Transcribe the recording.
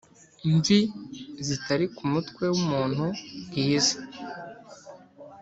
mvi zitari ku mutwe w'umuntu, ngizi,